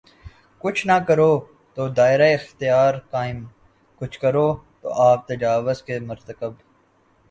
کچھ نہ کرو تو دائرہ اختیار قائم‘ کچھ کرو تو آپ تجاوز کے مرتکب۔